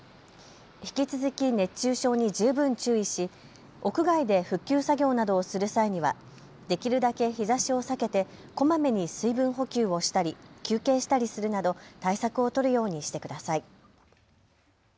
引き続き熱中症に十分注意し屋外で復旧作業などをする際にはできるだけ日ざしを避けてこまめに水分補給をしたり休憩したりするなど対策を取るようにしてください。